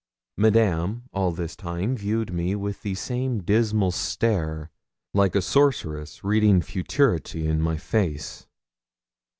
Madame all this time viewed me with the same dismal stare, like a sorceress reading futurity in my face.